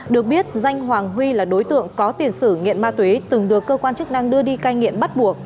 được biết danh hoàng huy là đối tượng có tiền sử nghiện ma túy từng được cơ quan chức năng đưa đi cai nghiện bắt buộc